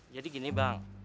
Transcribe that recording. jadi gini bang